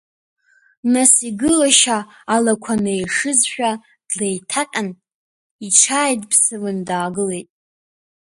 Нас, игылашьа алақәа неишызшәа, длеиҭаҟьан, иҽааидыԥсаланы даагылеит.